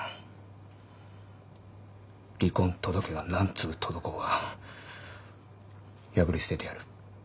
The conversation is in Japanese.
離婚届が何通届こうが破り捨ててやる。